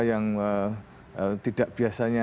yang tidak biasanya